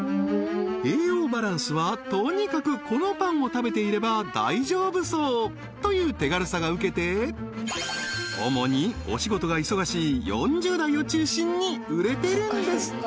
栄養バランスはとにかくこのパンを食べていれば大丈夫そうという手軽さがウケて主にお仕事が忙しい４０代を中心に売れているんですって